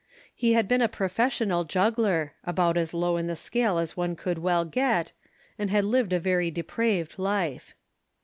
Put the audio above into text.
He had been a professional juggler (about as low in the scale as one could well get), and had lived a very depraved life.